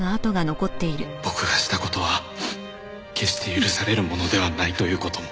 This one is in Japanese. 「僕がしたことは決して許されるものではないということも」